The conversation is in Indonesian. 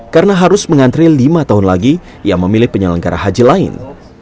karena harus mengantri lima tahun lagi ia memilih penyelenggara haji lain